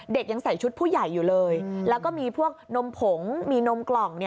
ยังใส่ชุดผู้ใหญ่อยู่เลยแล้วก็มีพวกนมผงมีนมกล่อง